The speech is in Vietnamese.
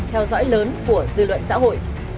theo dõi lớn của dư luận xã hội